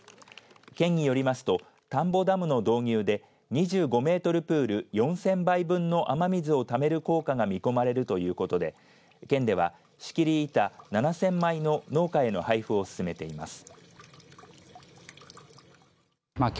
県によりますと田んぼダムの導入で２５メートルプール４０００杯分の雨水をためる効果が見込まれるということで県では、仕切り板７０００枚の農家への配布を進めています。